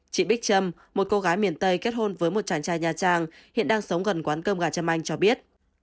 chị bích trâm một cô gái miền tây kết hôn với một chàng trai nha trang hiện đang sống gần quán cơm gà châm anh cho biết